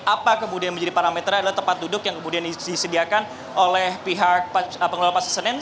apa kemudian menjadi parameternya adalah tempat duduk yang kemudian disediakan oleh pihak pengelola pasar senen